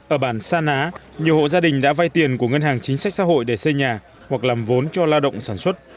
ở bản sa ná nhiều hộ gia đình đã vay tiền của ngân hàng chính sách xã hội để xây nhà hoặc làm vốn cho lao động sản xuất